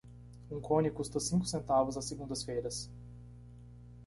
Um cone custa cinco centavos às segundas-feiras.